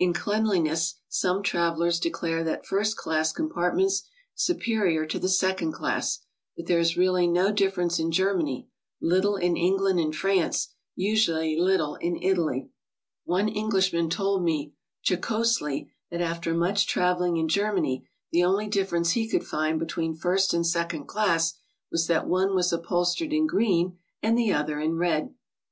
In cleanliness some travelers declare the first class com partments superior to the second class, but there is really no difference in Germany, little in England and France, usually little in Italy. One Englishman told me jocosely that after much trav eling in Germany, the only difference he could find between first and second class was that one was upholstered in green and the other in red.